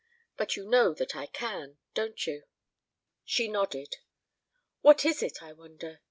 But you know that I can, don't you?" She nodded. "What is it, I wonder?"